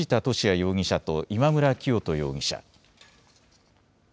容疑者と今村磨人容疑者。